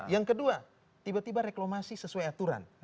yang kedua tiba tiba reklamasi sesuai aturan